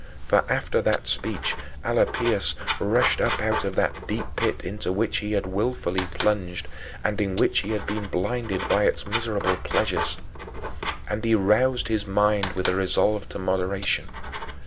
For after that speech Alypius rushed up out of that deep pit into which he had willfully plunged and in which he had been blinded by its miserable pleasures. And he roused his mind with a resolve to moderation.